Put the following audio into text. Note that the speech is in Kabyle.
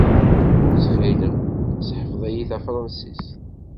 Ttxil-m, seḥfeḍ-iyi tafransist.